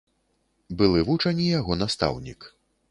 Былы вучань і яго настаўнік.